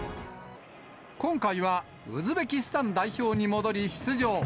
今回はウズベキスタン代表に戻り、出場。